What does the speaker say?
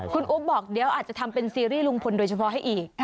คุณอุ๊บบอกเดี๋ยวอาจจะทำเป็นซีรีส์ลุงพลโดยเฉพาะให้อีก